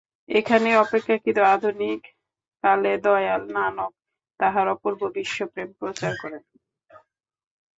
এখানেই অপেক্ষাকৃত আধুনিককালে দয়াল নানক তাঁহার অপূর্ব বিশ্বপ্রেম প্রচার করেন।